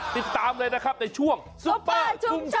ติดตามเลยนะครับในช่วงซุปเปอร์ชุมชน